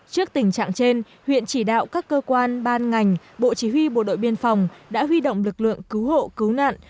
trước tình trạng trên huyện chỉ đạo các cơ quan ban ngành bộ chỉ huy bộ đội biên phòng đã huy động lực lượng cứu hộ cứu nạn